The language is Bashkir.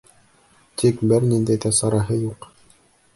Тик бер ниндәй ҙә сараһы юҡ.